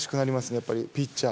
やっぱりピッチャー。